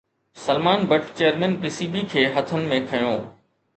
Salman Butt chairman P C B کي هٿن ۾ کنيو